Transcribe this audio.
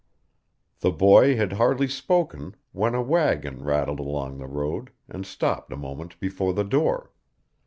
The boy had hardly spoken when a wagon rattled along the road, and stopped a moment before the door.